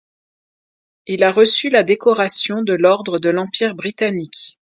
Il a reçu la décoration de l’ordre de l'Empire britannique.